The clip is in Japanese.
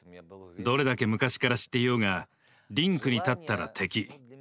どれだけ昔から知っていようがリンクに立ったら敵。